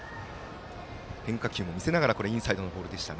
変化球も見せながらインサイドのボールでした。